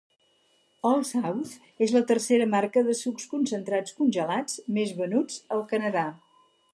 Old South és la tercera marca de sucs concentrats congelats més venuts al Canadà.